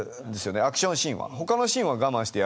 アクションシーンは。